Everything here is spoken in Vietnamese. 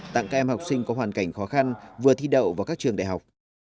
tặng các em học sinh có hoàn cảnh khó khăn vừa thi đậu vào các trường đại học